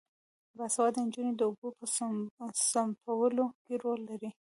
باسواده نجونې د اوبو په سپمولو کې رول لري.